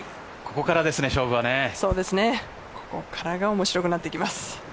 ここからが面白くなってきます。